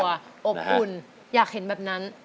เพราะว่าดูแล้วทุกคนคืออยากอยู่ด้วยกันหมด